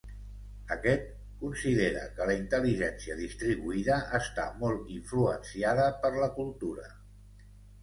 Aquest, considera que la intel·ligència distribuïda està molt influenciada per la cultura.